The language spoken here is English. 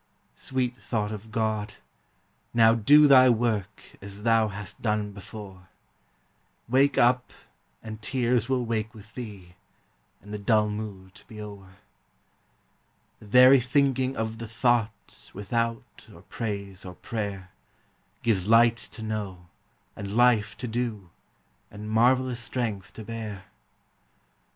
Sweet thought of God! now do thy work As thou hast done before; Wake up, and tears will wake with thee, And the dull mood be o'er. The very thinking of the thought Without or praise or prayer, Gives light to know, and life to do, And marvellous strength to bear.